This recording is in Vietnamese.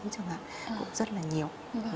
cũng rất là nhiều